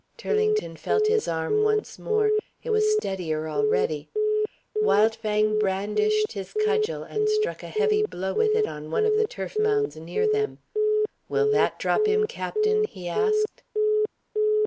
Turlington felt his arm once more. It was steadier already. Wildfang brandished his cudgel, and struck a heavy blow with it on one of the turf mounds near them. "Will that drop him, captain?" he asked.